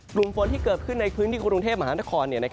กลุ่มฝนที่เกิดขึ้นในพื้นที่กรุงเทพมหานคร